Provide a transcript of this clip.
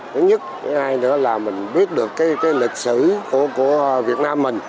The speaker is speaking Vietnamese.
thứ nhất thứ hai nữa là mình biết được cái lịch sử của việt nam mình